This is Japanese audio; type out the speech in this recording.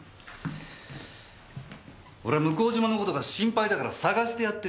俺は向島の事が心配だから捜してやってんだよ！